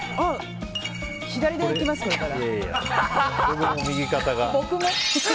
左でいきます、これから。